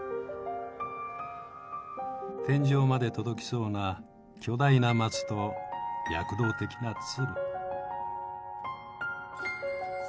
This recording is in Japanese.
天井まで届きそうな巨大な松と躍動的な鶴。